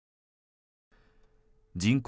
人口